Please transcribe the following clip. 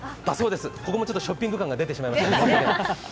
ここもちょっとショッピング感が出てしまいましたね。